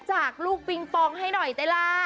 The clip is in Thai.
จากลูกปิงปองให้หน่อยได้ล่ะ